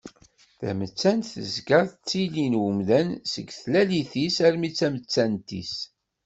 Tamettant tezga d tili n umdan seg tlalit-is, armi d tamettant-is.